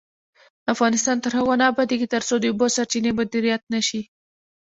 افغانستان تر هغو نه ابادیږي، ترڅو د اوبو سرچینې مدیریت نشي.